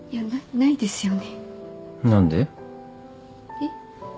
えっ？